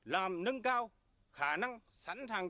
làm nâng cao khả năng sẵn sàng